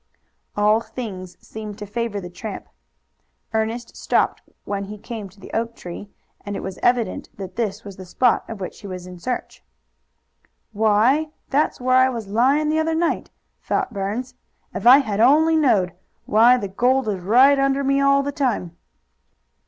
All things seemed to favor the tramp. Ernest stopped when he came to the oak tree, and it was evident that this was the spot of which he was in search. "Why, that's where I was lyin' the other night!" thought Burns. "If I had only knowed! Why, the gold was right under me all the time."